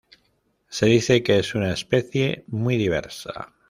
Se dice que es una especie muy diversa.